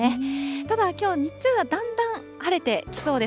ただ、きょう日中は段々晴れてきそうです。